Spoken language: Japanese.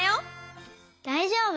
だいじょうぶ！